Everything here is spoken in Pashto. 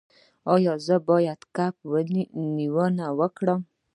ایا زه باید کب نیونه وکړم؟